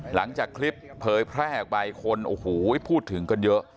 หลังจากคลิปเผยแพร่ออกไปคนโอ้โหพูดถึงกันเยอะ